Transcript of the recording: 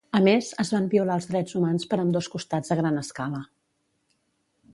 A més, es van violar els drets humans per ambdós costats a gran escala.